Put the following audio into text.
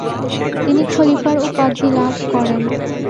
তিনি খলিফার উপাধি লাভ করেন।